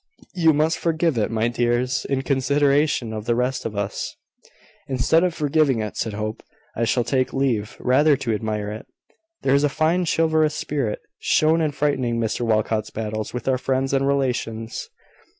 You must forgive it, my dears, in consideration of the rest of us." "Instead of forgiving it," said Hope, "I shall take leave rather to admire it. There is a fine chivalrous spirit shown in fighting Mr Walcot's battles with our friends and relations."